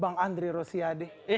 bang andri rosiade